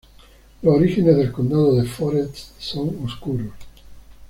Los orígenes del condado de Forez son oscuros.